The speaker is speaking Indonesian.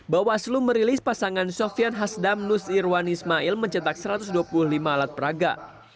bawaslu merilis pasangan sofian hasdam nus irwan ismail mencetak satu ratus dua puluh lima alat peraga